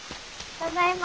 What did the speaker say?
ただいま。